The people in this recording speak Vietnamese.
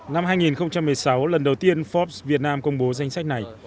năm hai nghìn một mươi sáu lần đầu tiên forbes việt nam công bố danh sách này